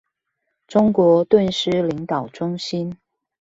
中國頓失領導中心